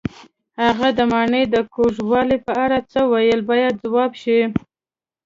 هغه د ماڼۍ د کوږوالي په اړه څه وویل باید ځواب شي.